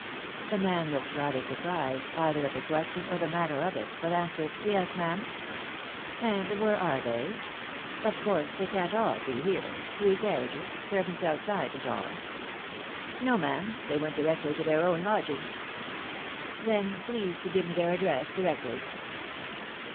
The man looked rather surprised, either at the question or the manner of it, but answered, " Yes, ma'am." " And where are they ? Of course they can't all be here — three carriages — servants outside, and all? " No, ma'am, they went directly to their own lodgings." " Then please to give me their address directly."